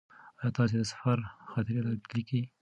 ایا تاسې د سفر خاطرې لیکئ؟